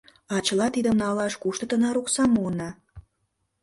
— А чыла тидым налаш кушто тынар оксам муына?